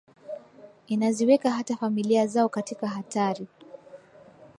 Inaziweka hata familia zao katika hatari